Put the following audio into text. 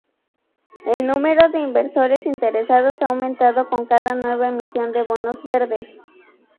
El número de inversores interesados ha aumentado con cada nueva emisión de bonos verdes.